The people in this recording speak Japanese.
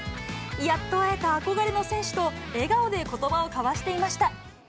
やっと会えた憧れの選手と笑顔でことばを交わしていました。